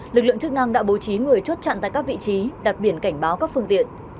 lực lượng chức năng đã bố trí người chốt chặn tại các vị trí đặt biển cảnh báo các phương tiện